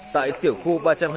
tại tiểu khu ba trăm hai mươi chín